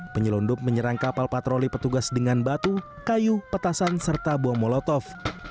penyelundup menyerang kapal patroli petugas dengan batu kayu petasan serta buah molotov